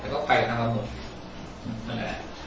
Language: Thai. ก็ไปตามเราหมด